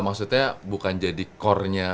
maksudnya bukan jadi core nya